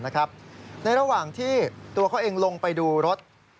ในระหว่างที่ตัวเขาเองลงไปดูรถ